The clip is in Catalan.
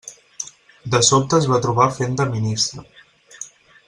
De sobte es va trobar fent de ministre.